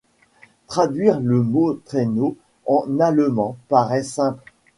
Traduire le mot traîneau en allemand paraît simple.